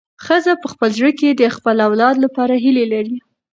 ښځه په خپل زړه کې د خپل اولاد لپاره هیلې لري.